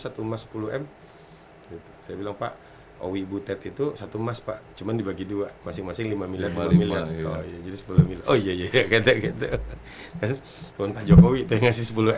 satu mas sepuluh m saya bilang pak owi butet itu satu mas pak cuman dibagi dua masing masing lima miliar